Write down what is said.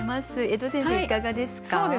江戸先生いかがですか？